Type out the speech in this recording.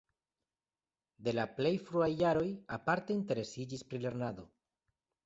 De la plej fruaj jaroj aparte interesiĝis pri lernado.